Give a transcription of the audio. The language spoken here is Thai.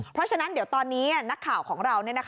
เพราะฉะนั้นเดี๋ยวตอนนี้นักข่าวของเรา